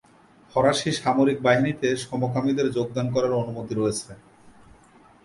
ফরাসী সামরিক বাহিনীতে সমকামীদের যোগদান করার অনুমতি রয়েছে।